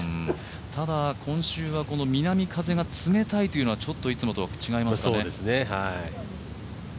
ただ、今週は南風が冷たいというのがいつもと違いましたね。